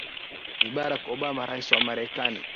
ni barack obama rais wa marekani